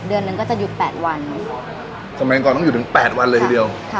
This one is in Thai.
เดือนหนึ่งก็จะหยุดแปดวันสมัยก่อนต้องหยุดถึงแปดวันเลยทีเดียวค่ะ